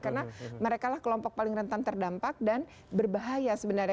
karena mereka lah kelompok paling rentan terdampak dan berbahaya sebenarnya